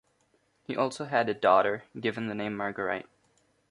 He also had a daughter, given the name Marguerite.